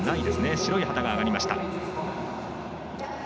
白い旗が上がりました。